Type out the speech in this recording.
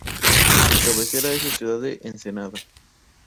Su cabecera es la ciudad de Ensenada.